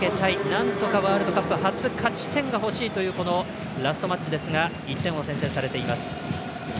なんとかワールドカップ初勝ち点が欲しいというラストマッチですが１点を先制されています。